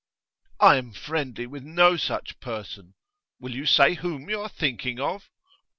'I am friendly with no such person. Will you say whom you are thinking of?